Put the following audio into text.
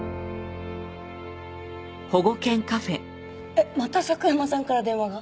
えっまた佐久山さんから電話が？